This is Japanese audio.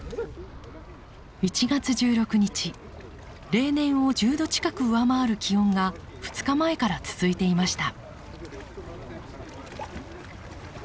例年を１０度近く上回る気温が２日前から続いていました。